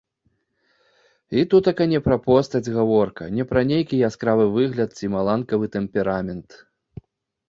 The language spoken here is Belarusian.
І тутака не пра постаць гаворка, не пра нейкі яскравы выгляд ці маланкавы тэмперамент.